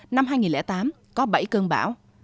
năm hai nghìn tám có bảy cơn bão